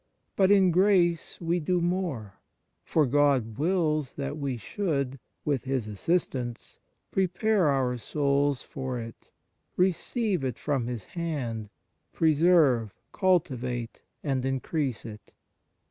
But in grace we do more; for God wills that we should with His assistance prepare our souls for it, receive it from His hand, preserve, cultivate, and increase it.